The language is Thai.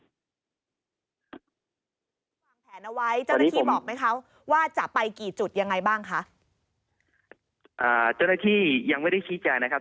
วางแผนเอาไว้เจ้าหน้าที่บอกไหมคะว่าจะไปกี่จุดยังไงบ้างคะอ่าเจ้าหน้าที่ยังไม่ได้ชี้แจงนะครับ